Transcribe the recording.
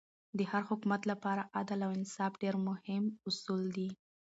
د هر حکومت له پاره عدل او انصاف ډېر مهم اصول دي.